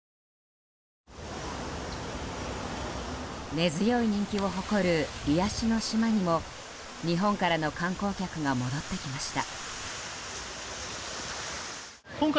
根強い人気を誇る癒やしの島にも日本からの観光客が戻ってきました。